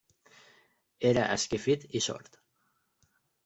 Era esquifit i sord.